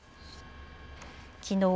きのう